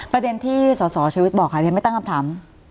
ประเด็นที่สสชวิตบอกค่ะเรียนไม่ตั้งคำถาม